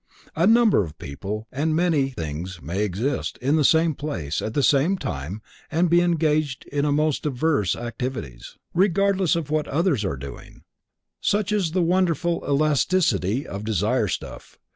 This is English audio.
A number of people and things may exist in the same place at the same time and be engaged in most diverse activities, regardless of what others are doing, such is the wonderful elasticity of desire stuff.